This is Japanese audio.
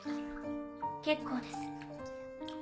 結構です。